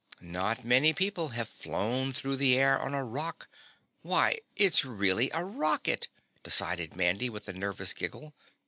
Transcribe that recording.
Not many people have flown through the air on a rock why it's really a rocket!" decided Mandy, with a nervous giggle.